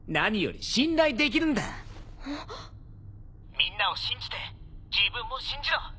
みんなを信じて自分も信じろ。